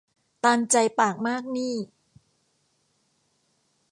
ตามใจปากมากหนี้